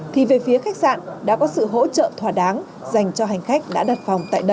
thì về phía khách sạn đã có sự hỗn hợp